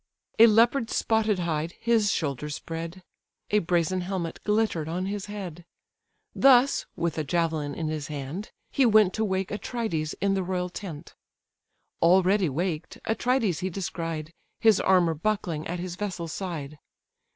A leopard's spotted hide his shoulders spread: A brazen helmet glitter'd on his head: Thus (with a javelin in his hand) he went To wake Atrides in the royal tent. Already waked, Atrides he descried, His armour buckling at his vessel's side.